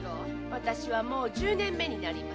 私はもう十年目になります。